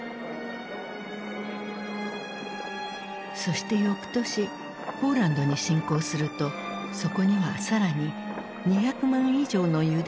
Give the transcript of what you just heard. そしてよくとしポーランドに侵攻するとそこには更に２００万以上のユダヤ人がいた。